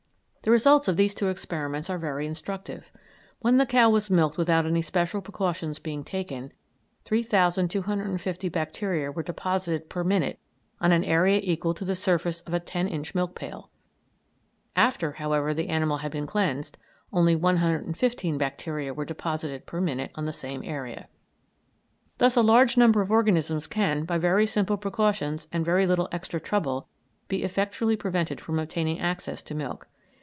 The results of these two experiments are very instructive. When the cow was milked without any special precautions being taken, 3,250 bacteria were deposited per minute on an area equal to the surface of a ten inch milk pail; after, however, the animal had been cleansed, only 115 bacteria were deposited per minute on the same area. Thus a large number of organisms can, by very simple precautions and very little extra trouble, be effectually prevented from obtaining access to milk.